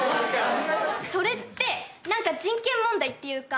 それってなんか人権問題っていうか。